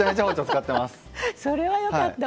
それはよかった。